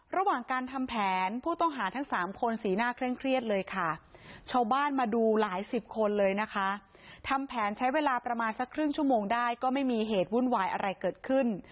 ระหว่างการทำแผนผู้ต้องหาทั้งสามคนสีหน้าเคร่งเครียดเลยค่ะชาวบ้านมาดูหลายสิบคนเลยนะคะทำแผนใช้เวลาประมาณสักครึ่งชั่วโมงได้ก็ไม่มีเหตุวุ่นวายอะไรเกิดขึ้น